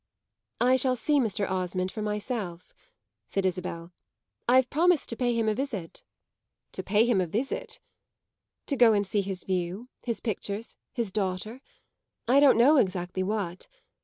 "I shall see Mr. Osmond for myself," said Isabel. "I've promised to pay him a visit." "To pay him a visit?" "To go and see his view, his pictures, his daughter I don't know exactly what.